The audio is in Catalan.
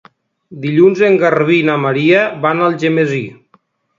Dilluns en Garbí i na Maria van a Algemesí.